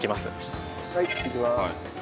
はいいきまーす。